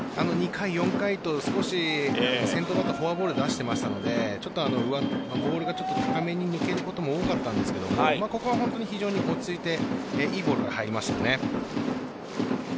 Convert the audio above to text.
２回、４回と少し先頭バッターにフォアボールで出していましたのでボールが高めに抜けることも多かったんですけどここは非常に落ち着いていいボールから入りましたね。